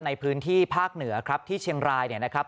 ในพื้นที่ภาคเหนือครับที่เชียงรายเนี่ยนะครับ